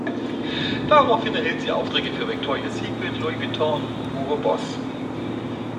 Daraufhin erhielt sie Aufträge für Victoria’s Secret, Louis Vuitton und Hugo Boss.